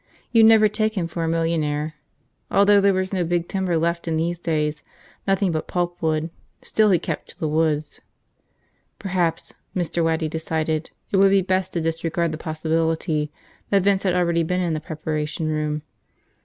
You'd never take him for a millionaire. Although there was no big timber left in these days, nothing but pulpwood, still he kept to the woods. Perhaps, Mr. Waddy decided, it would be best to disregard the possibility that Vince had already been in the preparation room.